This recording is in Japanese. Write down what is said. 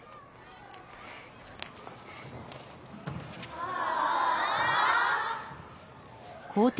ああ！